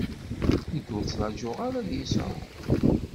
Nekk ur t-ttraǧuɣ ara ad yesɛu.